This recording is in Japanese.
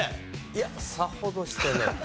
いやさほどしてない。